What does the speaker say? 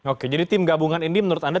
oke jadi tim gabungan ini menurut anda